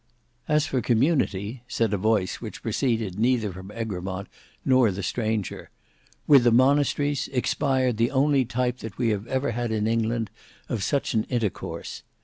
"As for community," said a voice which proceeded neither from Egremont nor the stranger, "with the monasteries expired the only type that we ever had in England of such an intercourse.